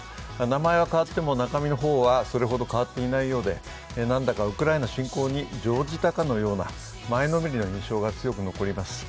名前は変わっても中身の方はそれほど変わっていないようで、なんだかウクライナ侵攻に乗じたかのような前のめりの印象が強く残ります。